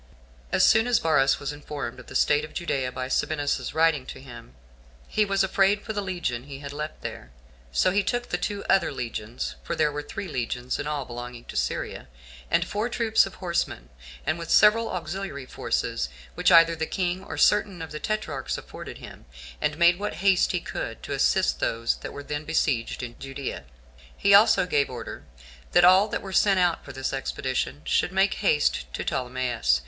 9. As soon as Varus was once informed of the state of Judea by Sabinus's writing to him, he was afraid for the legion he had left there; so he took the two other legions, [for there were three legions in all belonging to Syria,] and four troops of horsemen, with the several auxiliary forces which either the kings or certain of the tetrarchs afforded him, and made what haste he could to assist those that were then besieged in Judea. He also gave order that all that were sent out for this expedition, should make haste to Ptolemais.